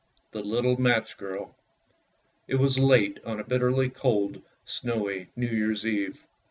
THE LITTLE MATCH GIRL IT was late on a bitterly cold, snowy, New Year's Eve.